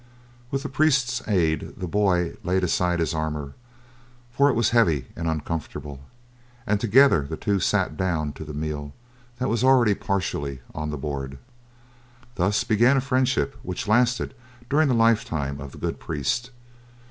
With the priest's aid, the boy laid aside his armor, for it was heavy and uncomfortable, and together the two sat down to the meal that was already partially on the board. Thus began a friendship which lasted during the lifetime of the good priest.